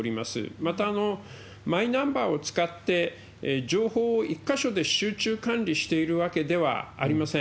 また、マイナンバーを使って、情報を１か所で集中管理しているわけではありません。